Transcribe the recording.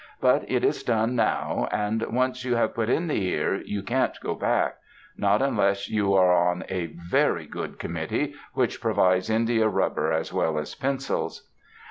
But it is done now. And once you have put in the ear you can't go back; not unless you are on a very good committee which provides india rubber as well as pencils.